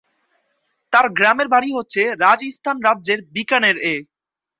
তার গ্রামের বাড়ি হচ্ছে রাজস্থান রাজ্যের বিকানের-এ।